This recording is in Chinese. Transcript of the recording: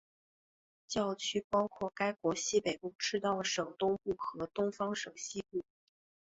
教区包括该国西北部赤道省东部和东方省西部。